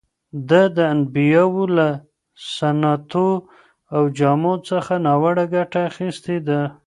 ده د انبیاوو له سنتو او جامو څخه ناوړه ګټه اخیستې ده.